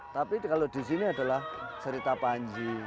tapi kalau di sini adalah cerita panji